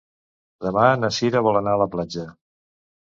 Demà na Sira vol anar a la platja.